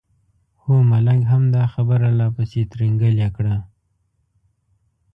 هو ملنګ هم دا خبره لا پسې ترینګلې کړه.